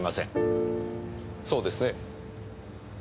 そうですね？